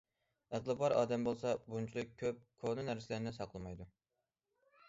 ئەقلى بار ئادەم بولسا بۇنچىلىك كۆپ كونا نەرسىلەرنى ساقلىمايدۇ.